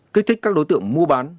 kích thích các đối tượng mua bán